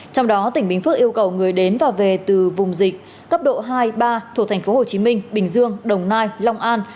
trong đó tỉnh bình phước yêu cầu người đến và về từ vùng dịch cấp độ hai ba thuộc tp hcm bình dương đồng nai long an